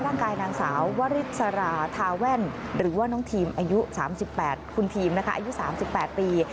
นางสาววริสราทาแว่นหรือว่าน้องทีมอายุ๓๘คุณทีมนะคะอายุ๓๘ปี